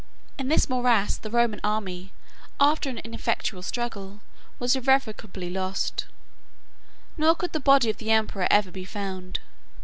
46 In this morass the Roman army, after an ineffectual struggle, was irrecoverably lost; nor could the body of the emperor ever be found.